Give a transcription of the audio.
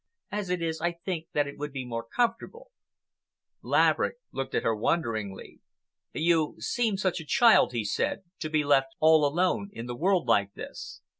As it is, I think that it would be more comfortable." Laverick looked at her wonderingly. "You seem such a child," he said, "to be left all alone in the world like this."